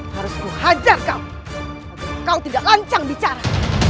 harus ku hajar kau agar kau tidak lancang bicara